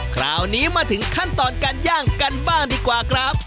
คราวนี้มาถึงขั้นตอนการย่างกันบ้างดีกว่าครับ